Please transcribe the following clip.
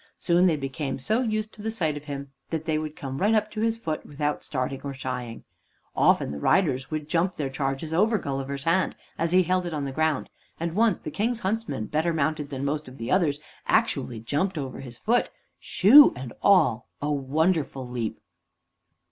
Soon they became so used to the sight of him that they would come right up to his foot without starting or shying. Often the riders would jump their chargers over Gulliver's hand as he held it on the ground; and once the King's huntsman, better mounted than most of the others, actually jumped over his foot, shoe and all a wonderful leap.